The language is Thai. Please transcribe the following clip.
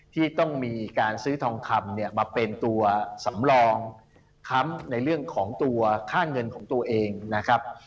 ที่ต้องมีการซื้อทองคำเนี่ยมาเป็นตัวสำรองค้ำในเรื่องของตัวค่าเงินของตัวเองนะครับ